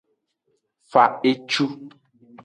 Fa ecu.